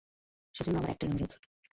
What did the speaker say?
সেজন্য আমার একটাই অনুরোধ।